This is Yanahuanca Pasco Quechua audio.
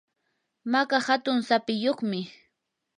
maka hatun sapiyuqmi.